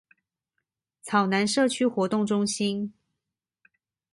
草湳社區活動中心